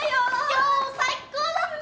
今日最高だった！